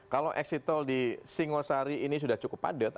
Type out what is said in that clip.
kalau exit tol di singosari ini sudah cukup padat